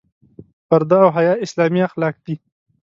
پرده او حیا اسلامي اخلاق دي.